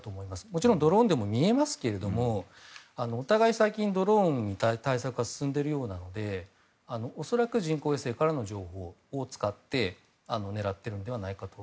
もちろんドローンでも見えますけれどもお互い、最近はドローンの対策は進んでいるようなので恐らく人工衛星からの情報を使って狙っているのではないかと。